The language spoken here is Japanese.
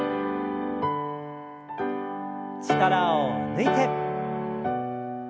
力を抜いて。